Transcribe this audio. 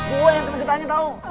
gua yang tanya tanya tau